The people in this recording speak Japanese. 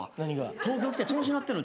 東京来て楽しなってんの？